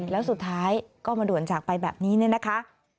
แล้วสุดท้ายก็มาด่วนจากไปแบบนี้เนี่ยนะคะ